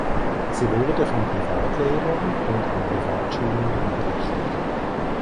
Sie wurde von Privatlehrern und an Privatschulen unterrichtet.